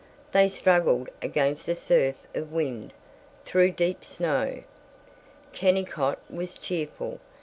They struggled against the surf of wind, through deep snow. Kennicott was cheerful.